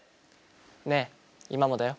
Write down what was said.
「ねぇ、今もだよ」。